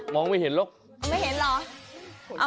โม้งไม่เห็นหรอ